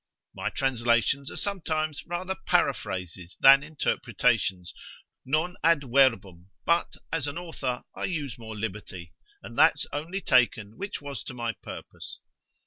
My translations are sometimes rather paraphrases than interpretations, non ad verbum, but as an author, I use more liberty, and that's only taken which was to my purpose.